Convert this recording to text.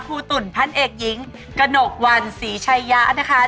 ครูตุ๋นพันธ์เอกยิงกระหนกวันศรีชายะนะคะ